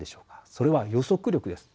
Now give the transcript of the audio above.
それは予測力です。